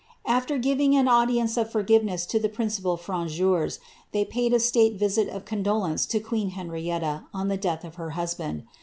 ^ After giving an audience of forgiveness to the princi pal Frondeurs, they paid a state visit of condolence to queen Henrietta ou the death of her husband.